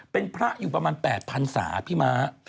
เป็นพระอยู่ประมาณ๘พันศาพี่ม้า